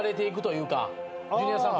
ジュニアさん